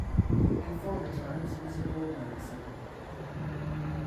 In former times it was a gold mining centre.